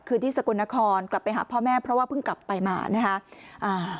คือที่สกลนครกลับไปหาพ่อแม่เพราะว่าเพิ่งกลับไปมานะคะอ่า